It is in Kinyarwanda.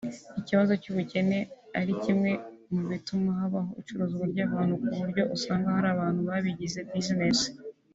ikibazo cy’ubukene ari kimwe mu bituma habaho icuruzwa z’abantu ku buryo usanga hari abantu babigize bizinesi